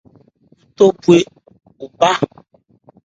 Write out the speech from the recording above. Cu tɔ bhwe obhá.